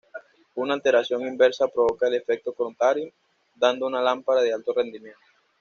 Una alteración inversa provoca el efecto contrario, dando una lámpara de alto rendimiento.